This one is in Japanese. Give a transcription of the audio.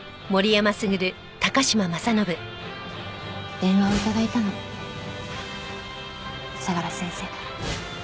電話を頂いたの相良先生から。